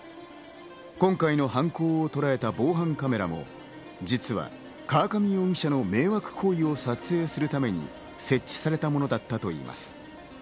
今回の犯行をとらえた防犯カメラも実は河上容疑者の迷惑行為を撮影するために設置されたものだったといいます。